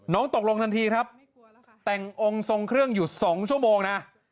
ตกลงทันทีครับแต่งองค์ทรงเครื่องอยู่๒ชั่วโมงนะ